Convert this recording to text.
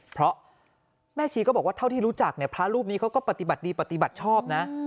เพราะแม่ชีก็บอกว่าเท่าที่รู้จักเนี่ยพระรูปนี้เขาก็ปฏิบัติดีปฏิบัติชอบนะ